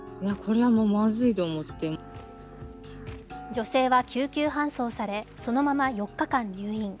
女性は救急搬送され、そのまま４日間入院。